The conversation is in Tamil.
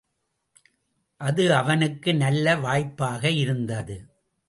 அது அவனுக்கு நல்ல வாய்ப்பாக இருந்தது.